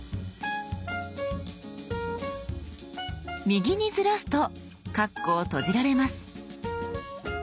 右にずらすとカッコを閉じられます。